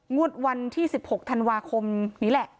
งวดวันที่๑๖ธันวาคมนี้แหละ